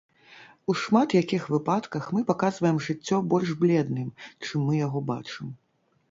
У шмат якіх выпадках мы паказваем жыццё больш бледным, чым мы яго бачым.